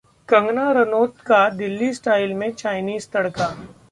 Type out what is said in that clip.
कंगना रनोट का दिल्ली स्टाइल में चाइनीज तड़का